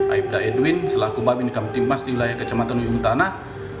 aibda edwin selaku babinkan tipmas di wilayah kecamatan ujung tanah